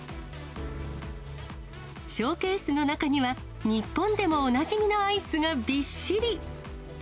ショーケースの中には、日本でもおなじみのアイスがびっしり。